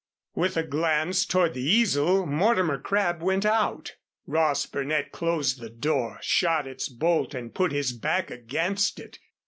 With a glance toward the easel Mortimer Crabb went out. Ross Burnett closed the door, shot its bolt and put his back against it.